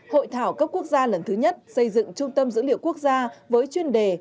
hội thảo cấp quốc gia lần thứ nhất xây dựng trung tâm dữ liệu quốc gia với chuyên đề